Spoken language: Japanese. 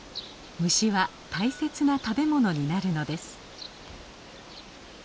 虫は大切な食べ物になるのです。